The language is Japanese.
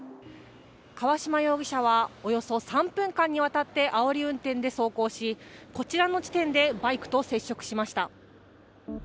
川島容疑者は、およそ３分間にわたってあおり運転で走行しこちらの地点でバイクと接触しました。